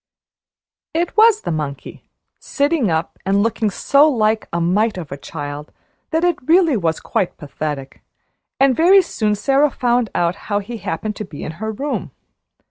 It was the monkey, sitting up and looking so like a mite of a child that it really was quite pathetic; and very soon Sara found out how he happened to be in her room.